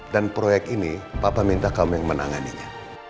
dan proyek ini papa minta kamu yang menanganinya